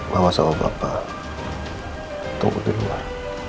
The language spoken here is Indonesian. mama sama bapak tunggu di luar